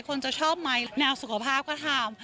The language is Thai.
คนจะชอบไหมแนวสุขภาพก็ทำ